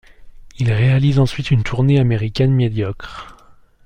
Il réalise ensuite une tournée américaine médiocre.